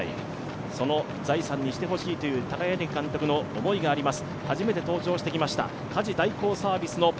その財産にしてほしいという高柳監督の思いがあります。